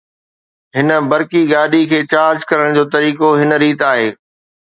هن برقي گاڏي کي چارج ڪرڻ جو طريقو هن ريت آهي